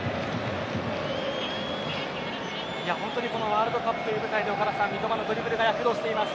本当にワールドカップという舞台で岡田さん、三笘のドリブルが躍動しています。